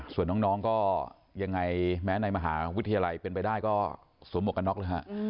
ส่วนน้องก็ยังไงแม้ในมหาวิทยาลัยเป็นไปได้ก็สวมหมวกกันน็อกเลยฮะ